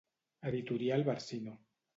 Editorial Barcino.